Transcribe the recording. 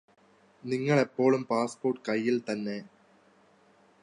നിങ്ങളെപ്പോളും passport കൈയ്യിൽതന്നെ